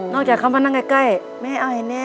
จากเขามานั่งใกล้แม่เอาให้แน่